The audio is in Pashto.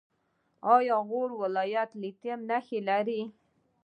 آیا غور ولایت د لیتیم نښې لري؟